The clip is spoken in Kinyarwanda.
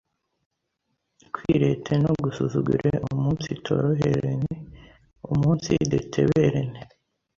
kwirete no gusuzugure, umunsitoroherene, umunsideteberene,